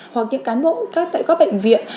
hoặc những cán bộ các tại các bệnh viện